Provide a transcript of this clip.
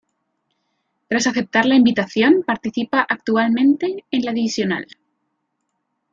Tras aceptar la invitación, participa actualmente en la divisional.